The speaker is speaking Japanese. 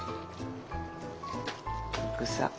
グサッ！